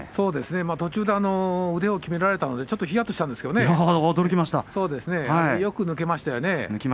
途中で腕をきめられたのでちょっとひやっとしたんですけどねよく抜けましたよね。